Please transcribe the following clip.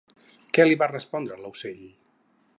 Què li va respondre l'aucell?